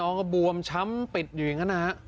ก็บวมช้ำปิดอยู่อย่างนั้นนะฮะ